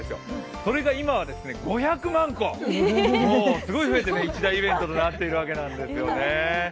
それが今は５００万個、もうすごい増えて、一大イベントとなっているわけなんですよね。